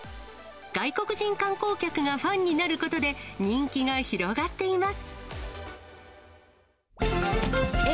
外国人観光客がファンになることで、人気が広がっています。